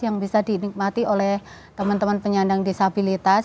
yang bisa dinikmati oleh teman teman penyandang disabilitas